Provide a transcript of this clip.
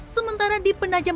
sementara di penajaman